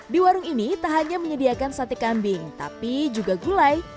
di warung ini tak hanya menyediakan sate kambing tapi juga gulai